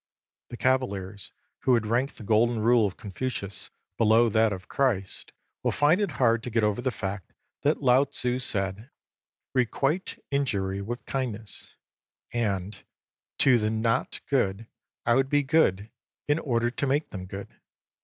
The cavillers who would rank the Golden Rule of Confucius below that of Christ will find it hard to get over the fact that Lao Tzii said, " Requite injury with kindness," and " To the not good I would be good in order to make them good."